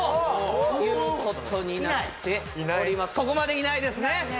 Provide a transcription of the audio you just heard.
ここまでいないですね？